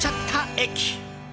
駅。